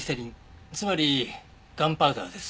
つまりガンパウダーです。